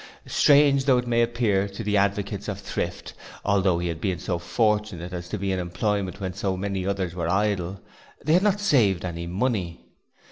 Strange though it may appear to the advocates of thrift, although he had been so fortunate as to be in employment when so many others were idle, they had not saved any money.